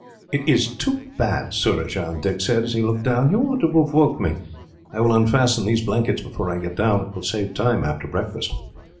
"It is too bad, Surajah," Dick said, as he looked down; "you ought to have woke me. I will unfasten these blankets before I get down. It will save time after breakfast."